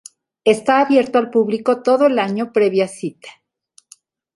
Está abierto al público todo el año previa cita.